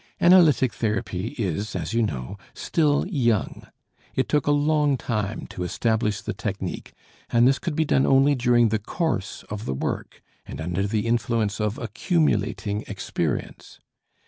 Analytic therapy is, as you know, still young; it took a long time to establish the technique, and this could be done only during the course of the work and under the influence of accumulating experience.